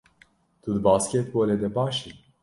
Tu di basketbolê de baş î?